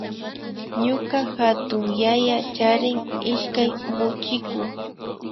Ñuka hatunyaya charin ishkay muchiku